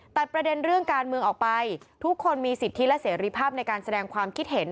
ตัดประเด็นเรื่องการเมืองออกไปทุกคนมีสิทธิและเสรีภาพในการแสดงความคิดเห็น